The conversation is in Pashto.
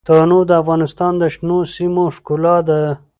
تنوع د افغانستان د شنو سیمو ښکلا ده.